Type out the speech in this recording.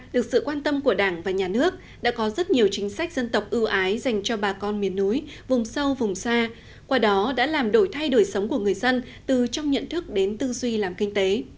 được sự quan tâm của đảng và nhà nước đã có rất nhiều chính sách dân tộc ưu ái dành cho bà con miền núi vùng sâu vùng xa qua đó đã làm đổi thay đổi sống của người dân từ trong nhận thức đến tư duy làm kinh tế